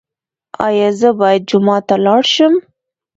ایا زه باید جومات ته لاړ شم؟